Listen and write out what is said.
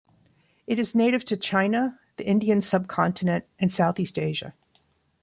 It is native to China, the Indian Subcontinent, and Southeast Asia.